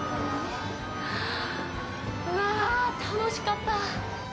うわあ、楽しかった。